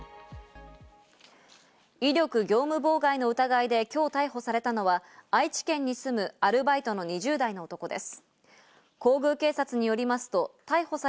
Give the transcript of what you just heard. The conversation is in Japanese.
威力業務妨害の疑いできょう逮捕されたのは愛知県に住むアルバイトの２０代の男です。